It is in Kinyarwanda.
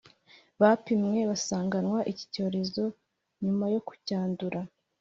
bapimwe basanganwa iki cyorezo nyuma yo kucyandura